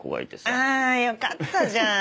あよかったじゃん。